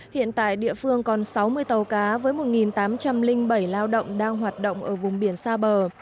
hiện tại địa phương còn sáu mươi tàu cá với một tám trăm linh bảy lao động đang hoạt động ở vùng biển xa bờ